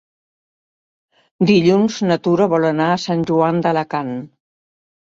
Dilluns na Tura vol anar a Sant Joan d'Alacant.